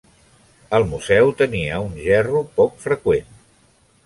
El museu tenia un gerro poc freqüent.